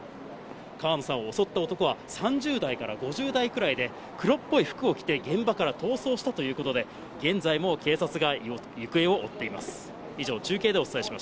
川野さんを襲った男は、３０代から５０代くらいで、黒っぽい服を着て現場から逃走したということで、現在も警察が行方を追っています。